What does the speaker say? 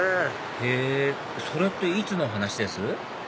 へぇそれっていつの話です？